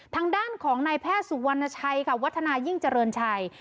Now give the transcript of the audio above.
ทางด้านของนายแพทย์สุวรรณชัยค่ะวัฒนายิ่งเจริญชัย